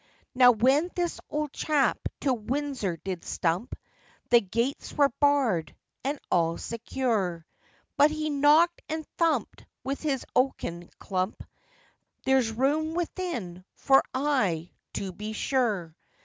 Now, when this old chap to Windsor did stump, The gates were barred, and all secure, But he knocked and thumped with his oaken clump, There's room within for I to be sure.